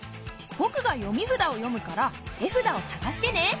ぼくが読み札を読むから絵札をさがしてね。